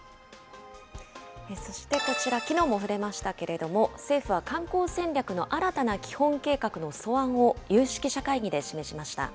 そしてこちら、きのうもふれましたけれども、政府は観光戦略の新たな基本計画の素案を有識者会議で示しました。